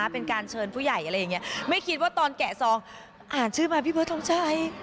เป็นการเชิญผู้ใหญ่อะไรอย่างนี้ไม่คิดว่าตอนแกะซองอ่านชื่อมาพี่เบิร์ทงชัย